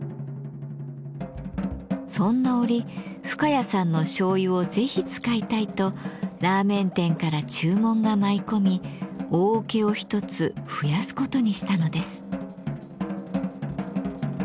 そんな折深谷さんの醤油をぜひ使いたいとラーメン店から注文が舞い込み大桶を一つ増やすことにしたのです。